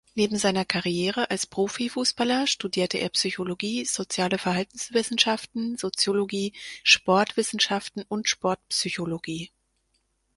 Neben seiner Karriere als Profifußballer studierte er Psychologie, Soziale Verhaltenswissenschaften, Soziologie, Sportwissenschaften und Sportpsychologie.